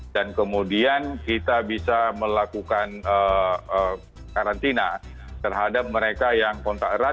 dan kemudian kita bisa melakukan karantina terhadap mereka yang kontak erat